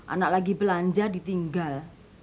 anak lagi belanja ditinggal